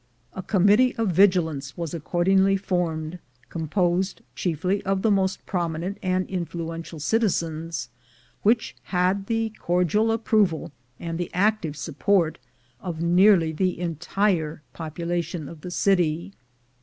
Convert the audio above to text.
A Committee of Vigilance was accordingly formed, composed chiefly of the most prominent and influential citizens, which had the cordial approval, and the active support, of nearly the entire population of the city.